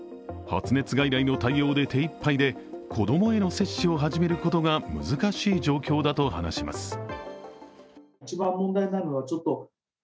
発熱外来の対応で手いっぱいで子供への接種を始めることが難しい状況だと話します。